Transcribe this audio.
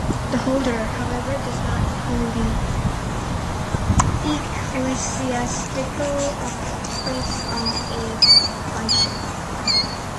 The holder, however, does not hold the ecclesiastical office of a Bishop.